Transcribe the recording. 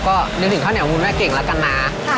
ก็นึกถึงข้าวเหนียวคุณแม่เก่งแล้วกันนะ